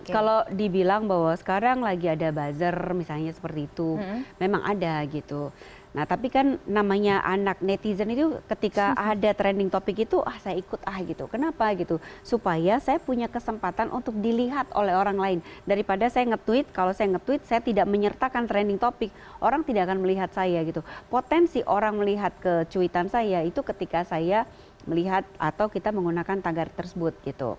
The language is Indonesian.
kalau dibilang bahwa sekarang lagi ada buzzer misalnya seperti itu memang ada gitu nah tapi kan namanya anak netizen itu ketika ada trending topic itu ah saya ikut ah gitu kenapa gitu supaya saya punya kesempatan untuk dilihat oleh orang lain daripada saya nge tweet kalau saya nge tweet saya tidak menyertakan trending topic orang tidak akan melihat saya gitu potensi orang melihat kecuitan saya itu ketika saya melihat atau kita menggunakan tagar tersebut gitu